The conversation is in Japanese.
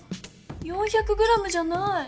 ４００ｇじゃない。